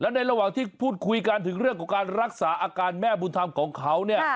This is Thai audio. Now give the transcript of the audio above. ในระหว่างที่พูดคุยกันถึงเรื่องของการรักษาอาการแม่บุญธรรมของเขาเนี่ย